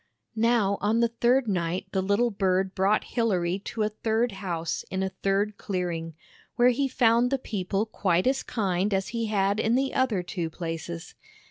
Now on the third night the little bird brought Hilary to a third house in a third clearing, where he found the people quite as kind as he had in the other two places.